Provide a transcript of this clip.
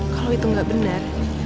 kalau itu gak benar